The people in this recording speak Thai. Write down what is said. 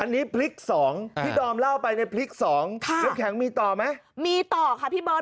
อันนี้พลิกสองที่ดอมเล่าไปในพลิกสองค่ะน้ำแข็งมีต่อไหมมีต่อค่ะพี่เบิร์ต